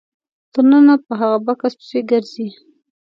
تر ننه په هغه بکس پسې ګرځي.